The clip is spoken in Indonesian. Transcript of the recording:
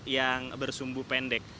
yang bersumbu pendek